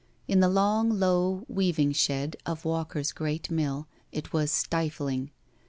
In the long, low weaving shed of Walker's great mill it was stifling.